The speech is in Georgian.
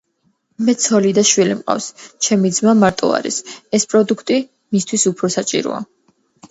მე ცოლი და შვილი მყავს. ჩემი ძმა მარტო არის. ეს პროდუქტი მისთვის უფრო საჭიროა.